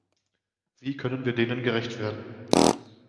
Wie können wir denen gerecht werden?